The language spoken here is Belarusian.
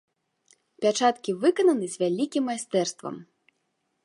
Пячаткі выкананы з вялікім майстэрствам.